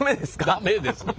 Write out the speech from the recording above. ダメです。